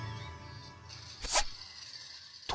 ［と］